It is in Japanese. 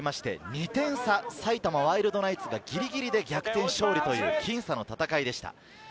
２点差、埼玉ワイルドナイツがぎりぎりで逆転勝利という僅差の戦いでした。